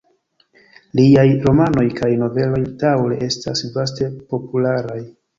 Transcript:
Liaj romanoj kaj noveloj daŭre estas vaste popularaj.